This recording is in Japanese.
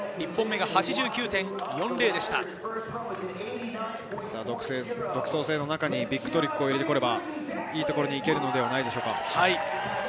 １本目が独創性の中にビッグトリックを入れてくれば、いいところにいけるのではないでしょうか。